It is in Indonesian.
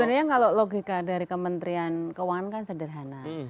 sebenarnya kalau logika dari kementerian keuangan kan sederhana